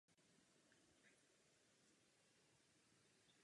Vedle značných investic do strojového parku dbá rovněž na vlastní inovace a vývoj.